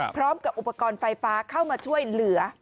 พร้อมกับอุปกรณ์ไฟฟ้าเข้ามาช่วยเหลือ